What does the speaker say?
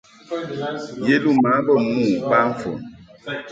Yeluma bə mo ba fon.